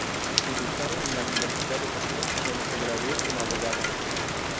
Educado en la Universidad de Sofía, donde se graduó como abogado.